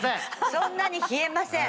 そんなに冷えません。